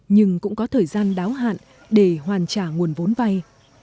nhưng cũng có thời gian đáo hạn để hoàn trả nguồn vốn vay